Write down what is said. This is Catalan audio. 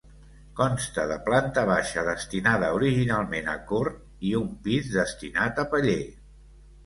Consta de planta baixa destinada originalment a cort i un pis destinat a paller.